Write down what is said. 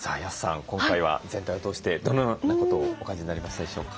今回は全体を通してどのようなことをお感じになりましたでしょうか。